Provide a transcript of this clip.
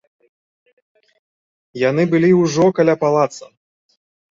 Яны былі ўжо каля палаца.